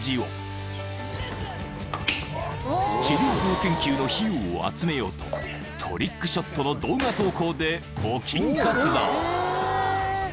［治療法研究の費用を集めようとトリックショットの動画投稿で募金活動］